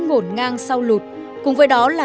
ngổn ngang sau lụt cùng với đó là